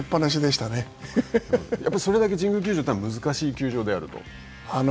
やっぱりそれだけ神宮球場といいのは難しい球場であると。